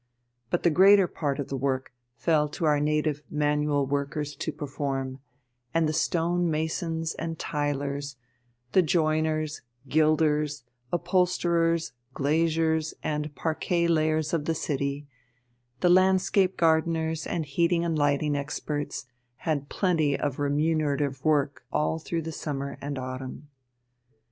But the greater part of the work fell to our native manual workers to perform, and the stone masons and tilers, the joiners, gilders, upholsterers, glaziers, and parquet layers of the city, the landscape gardeners and heating and lighting experts, had plenty of remunerative work all through the summer and autumn.